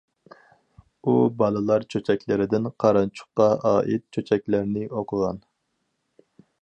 ئۇ بالىلار چۆچەكلىرىدىن قارانچۇققا ئائىت چۆچەكلەرنى ئوقۇغان.